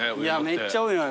めっちゃ多いのよ